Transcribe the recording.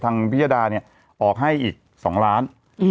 ทางพิจารณาเนี่ยออกให้อีก๒ล้าน